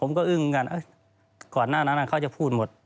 อึ้งกันก่อนหน้านั้นเขาจะพูดหมด